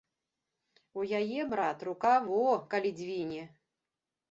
У яе, брат, рука во, калі дзвіне!